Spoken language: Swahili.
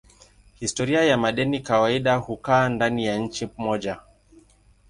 Historia ya madeni kawaida hukaa ndani ya nchi moja.